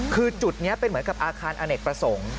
คือจุดนี้เป็นเหมือนกับอาคารอเนกประสงค์